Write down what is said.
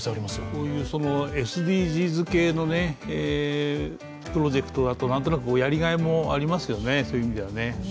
こういうＳＤＧｓ系のプロジェクトだとなんとなくやりがいもありますよね、そういう意味ではね。